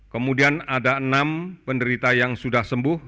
kemudian ada enam penderita yang sudah sembuh